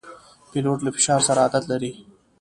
پیلوټ له فشار سره عادت لري.